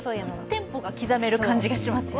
テンポが刻める感じがしますよね。